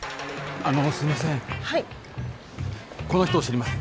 ああすみません